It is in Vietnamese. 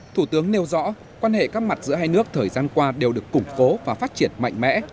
thủ tướng nêu rõ quan hệ các mặt giữa hai nước thời gian qua đều được củng cố và phát triển mạnh mẽ